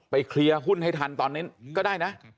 เคลียร์หุ้นให้ทันตอนนั้นก็ได้นะ